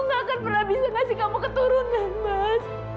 nggak akan pernah bisa ngasih kamu keturunan mas